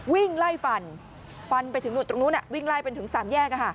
วิ่งไล่ฟันฟันไปถึงตรงนู้นนะวิ่งไล่ไปถึงสามแยกนะฮะ